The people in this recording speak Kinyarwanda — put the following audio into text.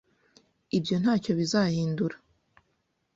Ibyo ntacyo bizahindura.